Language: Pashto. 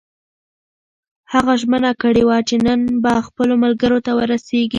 هغه ژمنه کړې وه چې نن به خپلو ملګرو ته ورسېږي.